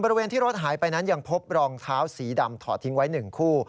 บริเวณที่รถหายไปนั้นยังพบรองเท้าสีดำถอดทิ้งไว้๑คู่